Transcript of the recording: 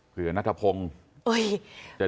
คือนัทพงศ์